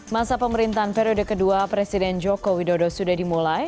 masa pemerintahan periode kedua presiden jokowi dodo sudah dimulai